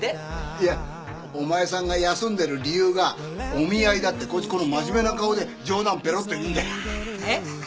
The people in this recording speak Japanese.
いやお前さんが休んでる理由がお見合いだってこいつこの真面目な顔で冗談ペロって言うんだよえっ